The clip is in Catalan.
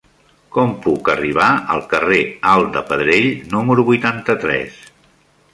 Com puc arribar al carrer Alt de Pedrell número vuitanta-tres?